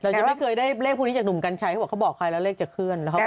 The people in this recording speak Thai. แล้วแค่บอกเขารู้ครั้งนี้บนลูกการใช้